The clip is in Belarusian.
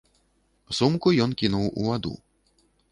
Сумку ён кінуў у ваду.